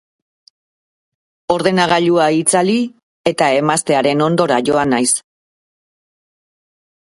Ordenagailua itzali eta emaztearen ondora joan naiz.